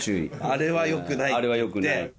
あれはよくない。